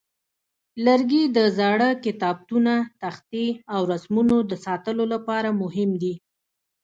لرګي د زاړه کتابتونه، تختې، او رسمونو د ساتلو لپاره مهم دي.